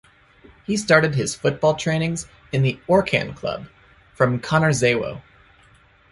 He started his football trainings in the "Orkan" club from Konarzewo.